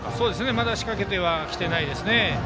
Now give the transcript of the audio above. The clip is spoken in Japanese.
まだ仕掛けてはきてないです。